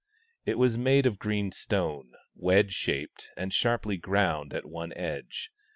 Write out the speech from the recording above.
It was made of green stone, wedge shaped, and sharply ground at one edge.